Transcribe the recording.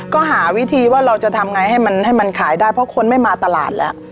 ก็หาวิธีว่าเราจะทำไงให้มันให้มันขายได้เพราะคนไม่มาตลาดแล้ว